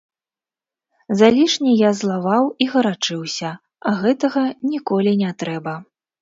Залішне я злаваў і гарачыўся, а гэтага ніколі не трэба.